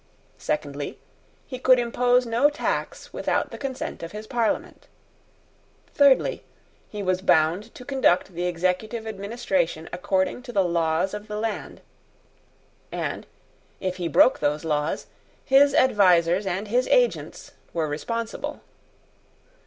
Secondly, he could impose no tax without the consent of his Parliament. Thirdly, he was bound to conduct the executive administration according to the laws of the land, and, if he broke those laws, his advisers and his agents were responsible.